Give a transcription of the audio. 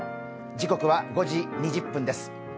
時刻は５時２０分です。